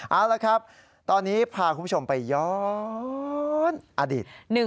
เอาละครับตอนนี้พาคุณผู้ชมไปย้อนอดีต